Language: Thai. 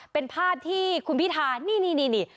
เป็นพาดที่คุณพี่ทานี่